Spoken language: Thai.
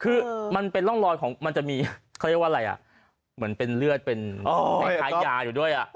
คือมันเป็นร่องรอยของมันจะมีเขาเรียกว่าอะไรอ่ะเหมือนเป็นเลือดเป็นคล้ายยาอยู่ด้วย